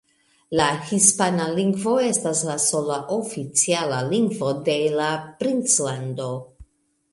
La hispana lingvo estas la sola oficiala lingvo de la Princlando.